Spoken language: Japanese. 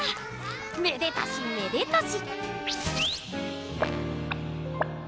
めでたしめでたし！